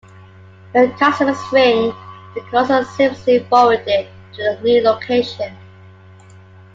When customers ring, their calls are seamlessly forwarded to the new location.